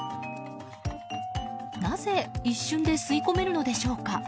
なぜ、一瞬で吸い込めるのでしょうか。